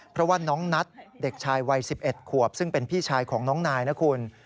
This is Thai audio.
เพราะว่าน้องนัทเด็กชายวัย๑๑ขวบซึ่งเป็นพี่ชายของน้องนายนะคุณ